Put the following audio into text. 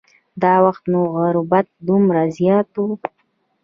دا وخت نو غربت دومره زیات و.